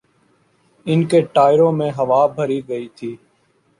ان کے ٹائروں میں ہوا بھری گئی تھی۔